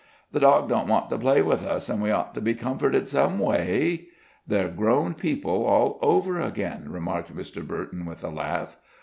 The dog don't want to play with us, and we ought to be comforted some way." "They're grown people, all over again," remarked Mr. Burton, with a laugh.